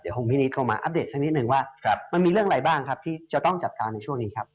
ของพี่นิดเข้ามาอัปเดตสักนิดนึงว่ามันมีเรื่องอะไรบ้างครับที่จะต้องจับตาในช่วงนี้ครับ